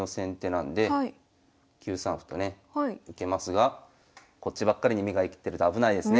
なんで９三歩とね受けますがこっちばっかりに目が行ってると危ないですね。